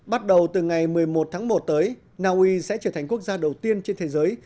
bắt đầu từ ngày một mươi một tháng một tới naui sẽ trở thành quốc gia đầu tiên trên thế giới